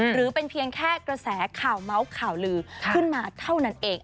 หรือเป็นเพียงแค่กระแสข่าวเมาส์ข่าวลือขึ้นมาเท่านั้นเอง